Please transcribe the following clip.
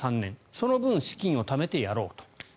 その分、資金をためてやろうと。